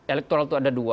elektoral itu ada dua